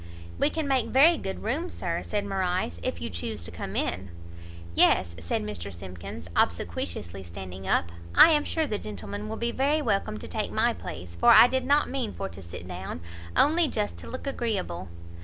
"We can make very good room, Sir," said Morrice, "if you chuse to come in." "Yes," said Mr Simkins, obsequiously standing up, "I am sure the gentleman will be very welcome to take my place, for I did not mean for to sit down, only just to look agreeable."